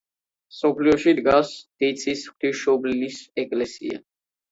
სოფელში დგას დიცის ღვთისმშობლის ეკლესია.